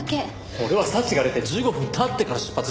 俺は早智が出て１５分経ってから出発したんだ。